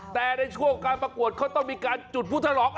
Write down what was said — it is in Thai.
แต่ในช่วงการประกวดเขาต้องมีการจุดพุทธลอง